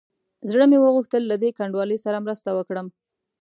زړه مې وغوښتل له دې کنډوالې سره مرسته وکړم.